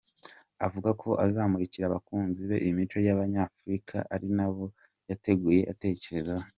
Avuga ko azamurikira abakunzi be imico y’Abanyafurika ari nabo yateguye atekerezaho.